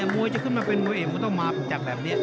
มวยจะขึ้นมาเป็นมวยเอกมันต้องมาจับแบบนี้